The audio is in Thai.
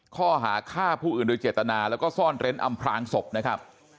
ข้อหาฆ่าผู้อื่นโดยเจตนาแล้วก็ซ่อนเร้นอำพลางศพนะครับ